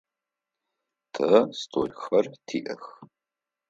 Тэ столхэр тиӏэх.